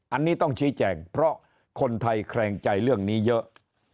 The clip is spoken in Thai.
อันนี้ต้องชี้แจงเพราะคนไทยแคลงใจเรื่องนี้เยอะ